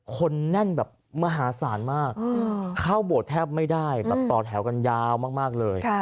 คนแน่นแบบมหาศาลมากเข้าโบสถ์แทบไม่ได้แบบต่อแถวกันยาวมากเลย